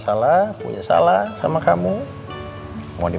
maaf kalau saya tidak banyak salah